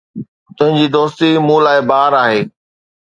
تنهنجي دوستي مون لاءِ بار آهي